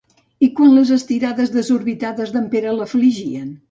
I quan les estirades desorbitades d'en Pere l'afligien?